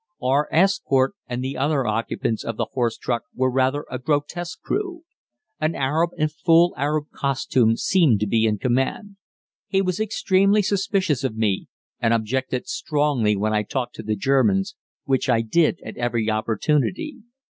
Our escort and the other occupants of the horse truck were rather a grotesque crew. An Arab in full Arab costume seemed to be in command. He was extremely suspicious of me, and objected strongly when I talked to the Germans, which I did at every opportunity.